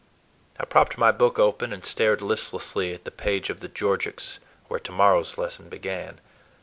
I propped my book open and stared listlessly at the page of the Georgics where to morrow's lesson began.